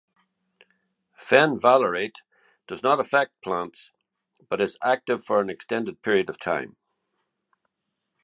Fenvalerate does not affect plants, but is active for an extended period of time.